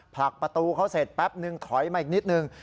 ผลักประตูเขาเสร็จแป๊บนึงถอยมาอีกนิดนึง